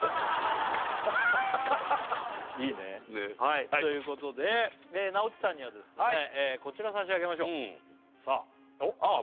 いいねねっはいということでなおっちさんにはですねこちら差し上げましょううんさあおっ？